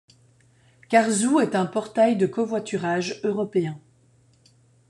Karzoo est un portail de covoiturage européen.